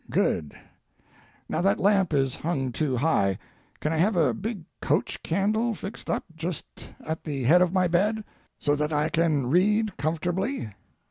"Good! Now, that lamp is hung too high. Can I have a big coach candle fixed up just at the head of my bed, so that I can read comfortably?"